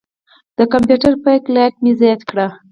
د کمپیوټر بیک لایټ مې زیات کړ.